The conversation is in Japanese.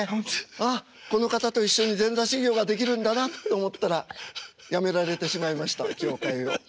ああこの方と一緒に前座修業ができるんだなと思ったらやめられてしまいました協会を。